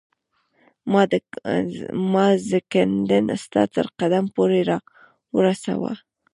ما زکندن ستا تر قدم پوري را ورساوه